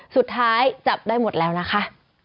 สุดท้ายจับได้หมดแล้วนะคะ